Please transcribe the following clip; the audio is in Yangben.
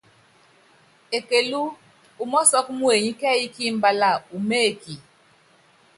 Ekelú umɔ́sɔ́k muenyi kɛ́ɛ́y kí imbalá uméeki.